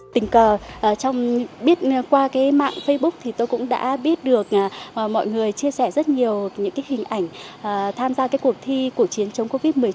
tình cờ biết qua mạng facebook thì tôi cũng đã biết được mọi người chia sẻ rất nhiều những hình ảnh tham gia cuộc thi của chiến chống covid một mươi chín